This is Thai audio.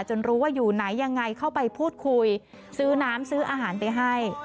รู้ว่าอยู่ไหนยังไงเข้าไปพูดคุยซื้อน้ำซื้ออาหารไปให้